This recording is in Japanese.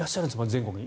全国に。